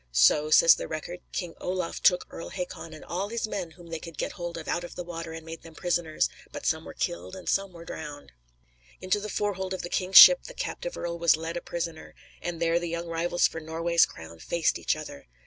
"So," says the record, "King Olaf took Earl Hakon and all his men whom they could get hold of out of the water and made them prisoners; but some were killed and some were drowned." Into the "fore hold" of the king's ship the captive earl was led a prisoner, and there the young rivals for Norway's crown faced each other.